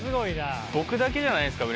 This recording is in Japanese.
僕だけじゃないですか？